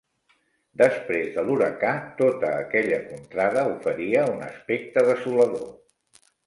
Després de l'huracà, tota aquella contrada oferia un aspecte desolador.